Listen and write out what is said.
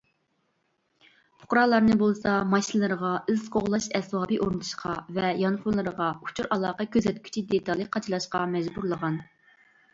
پۇقرالارنى بولسا ماشىنىلىرىغا ئىز قوغلاش ئەسۋابى ئورنىتىشقا ۋە يانفونلىرىغا ئۇچۇر- ئالاقە كۆزەتكۈچى دېتالى قاچىلاشقا مەجبۇرلىغان.